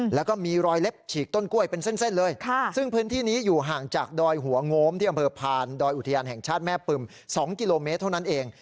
แล้วก็มีรอยเล็บฉีกต้นกล้วยเป็นเส้นเลยซึ่งพื้นที่นี้อยู่ห่างจากดอยหัวโง้มที่อำเภอพานดอยอุทยานแห่งชาติแม่ปึ่ม๒กิโลเมตรเท่านั้นเอง